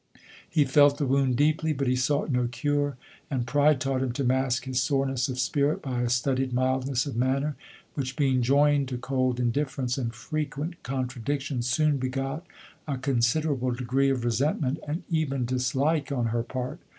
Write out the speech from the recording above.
He felt the wound deeply, but he sought no cure; and pride taught him to mask his sore ness of spirit by a studied mildness of manner, which, being joined to cold indifference, and frequent contradiction, soon begot a consider able degree of resentment, and even dislike on her part.